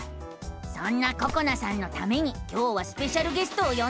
そんなここなさんのために今日はスペシャルゲストをよんでるのさ！